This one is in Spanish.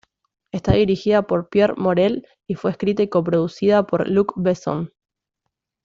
Está dirigida por Pierre Morel y fue escrita y coproducida por Luc Besson.